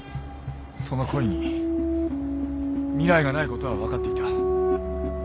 その恋に未来がないことは分かっていた。